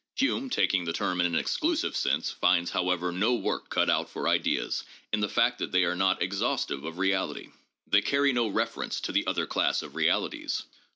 Hume, taking the term in an exclusive sense, finds, however, no work cut out for ideas in the fact that they are not exhaustive of reality. They carry no reference to the other class of realities.